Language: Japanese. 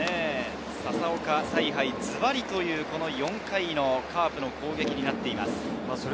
佐々岡采配、ズバリという４回のカープの攻撃になっています。